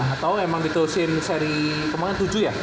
atau emang ditulisin seri kemarin tujuh ya